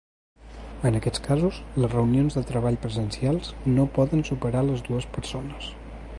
En aquests casos, les reunions de treball presencials no poden superar les dues persones.